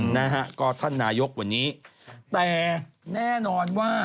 นะฮะก็ท่านนายกวันนี้แต่แน่นอนว่า